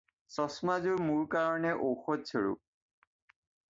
চছমাযোৰ মোৰ কাৰণে ঔষধস্বৰূপ।